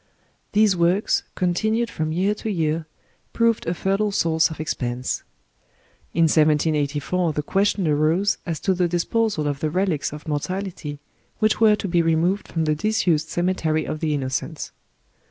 These works, continued from year to year, proved a fertile source of expense. In 1784 the question arose as to the disposal of the relics of mortality which were to be removed from the disused cemetery of the Innocents.